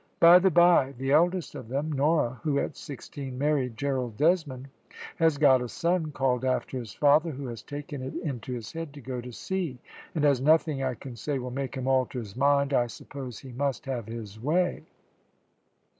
By the bye, the eldest of them, Nora, who, at sixteen, married Gerald Desmond, has got a son called after his father, who has taken it into his head to go to sea, and as nothing I can say will make him alter his mind, I suppose he must have his way.